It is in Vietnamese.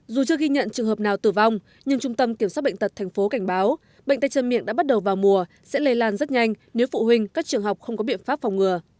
dù chưa ghi nhận trường hợp nào tử vong nhưng trung tâm kiểm soát bệnh tật tp cảnh báo bệnh tay chân miệng đã bắt đầu vào mùa sẽ lây lan rất nhanh nếu phụ huynh các trường học không có biện pháp phòng ngừa